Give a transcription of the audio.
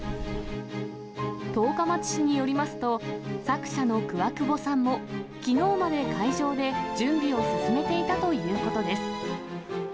十日町市によりますと、作者のクワクボさんもきのうまで会場で準備を進めていたということです。